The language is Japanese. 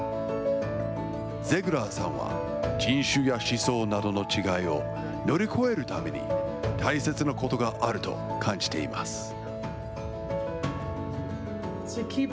ゼグラーさんは、人種や思想などの違いを乗り越えるために、大切なことがあると感じています。